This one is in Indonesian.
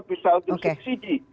bisa untuk subsidi